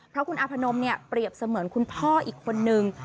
เพราะคุณอาพนมเนี่ยเปรียบเสมือนคุณพ่ออีกคนนึง